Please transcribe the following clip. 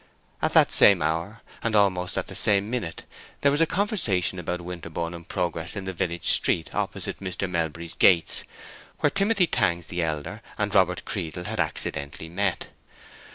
At that same hour, and almost at that same minute, there was a conversation about Winterborne in progress in the village street, opposite Mr. Melbury's gates, where Timothy Tangs the elder and Robert Creedle had accidentally met.